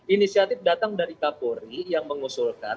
inisiatif datang dari kapolri yang mengusulkan